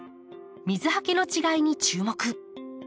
水はけの違いに注目。